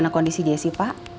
kondisi dia mah